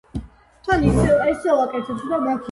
იგი აგრეთვე იყო კრისტოფის შოუს რეჟისორი.